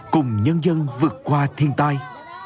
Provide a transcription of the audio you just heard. cùng nhân dân vượt qua thiên tai